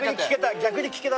逆に聞けた。